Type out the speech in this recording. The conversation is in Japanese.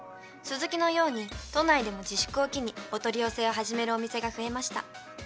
すず鬼のように都内でも自粛を機にお取り寄せを始めるお店が増えました。